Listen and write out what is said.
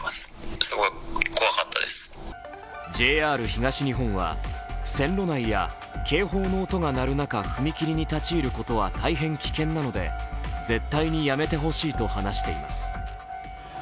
ＪＲ東日本は線路内や警報の音が鳴る中踏切に立ち入ることは大変危険なので絶対にやめてほしいと話しています。